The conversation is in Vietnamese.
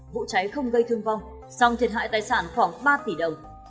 vụ cháy không gây thương vong song thiệt hại tài sản khoảng ba tỷ đồng